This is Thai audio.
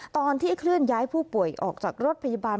ตอนที่เคลื่อนย้ายผู้ป่วยออกจากรถพยาบาล